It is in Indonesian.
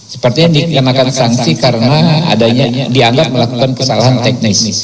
sepertinya dikenakan sanksi karena adanya yang dianggap melakukan kesalahan teknis